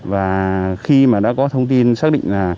và khi mà đã có thông tin xác định là